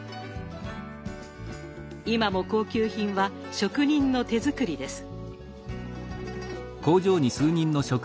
今も高級品は職人の手作りです。